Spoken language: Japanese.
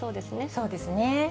そうですね。